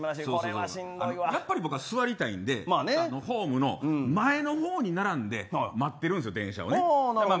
やっぱり僕は座りたいんでホームの前の方に並んで待ってるんです、電車を。